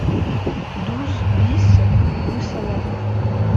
douze BIS rue Saint-Malo